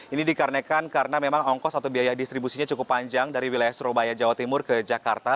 ini dikarenakan karena memang ongkos atau biaya distribusinya cukup panjang dari wilayah surabaya jawa timur ke jakarta